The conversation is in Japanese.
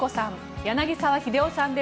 柳澤秀夫さんです。